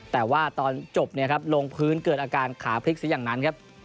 แต่ว่าตอนจบนี้ครับลงพื้นเกิดอาการขาพลิกซึ่งอย่างนั้น